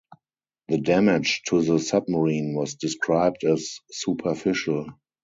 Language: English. The damage to the submarine was described as superficial.